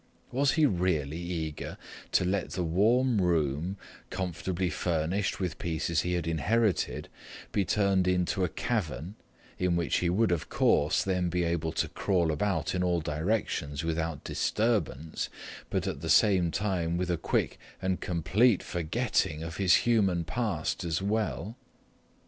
Was he really eager to let the warm room, comfortably furnished with pieces he had inherited, be turned into a cavern in which he would, of course, then be able to crawl about in all directions without disturbance, but at the same time with a quick and complete forgetting of his human past as well?